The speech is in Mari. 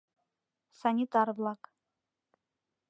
Санитар-влак.